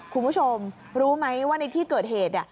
คุณผู้ชมรู้ไหมว่าในที่เกิดเหตุ